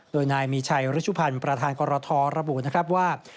โดยนายมีชัยริชุพรรณประทานกรทระบุว่า